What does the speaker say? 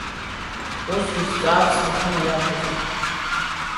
Усгьы сҵаарц сҭахын аиашазы.